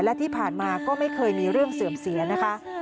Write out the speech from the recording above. และที่ผ่านมาก็ไม่เคยมีเรื่องเสื่อมเสียนะคะ